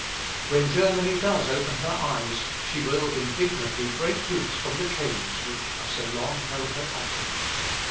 When Germany does open her eyes, she will indignantly break loose from the chains which have so long held her captive.